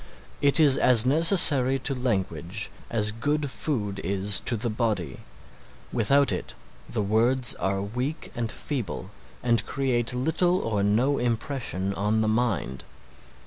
It is as necessary to language as good food is to the body. Without it the words are weak and feeble and create little or no impression on the mind.